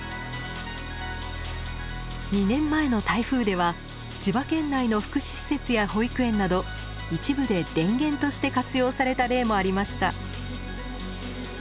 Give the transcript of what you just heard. ２年前の台風では千葉県内の福祉施設や保育園など一部で電源として活用された例もありました。